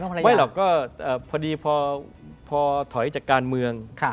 ไม่หรอกก็พอดีพอถอยจากการเมือง